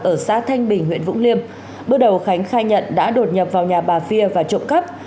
ở xã thanh bình huyện vũng liêm bước đầu khánh khai nhận đã đột nhập vào nhà bà phia và trộm cắp